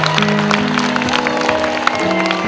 ขอบคุณครับ